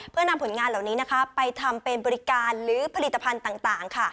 เพื่อนำผลงานเหล่านี้ไปทำเป็นบริการหรือผลิตภัณฑ์ต่างค่ะ